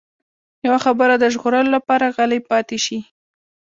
يوه خبره د ژغورلو لپاره غلی پاتې شي.